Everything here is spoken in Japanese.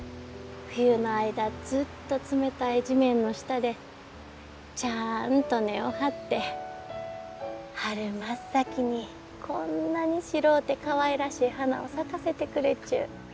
冬の間ずっと冷たい地面の下でちゃあんと根を張って春真っ先にこんなに白うてかわいらしい花を咲かせてくれちゅう。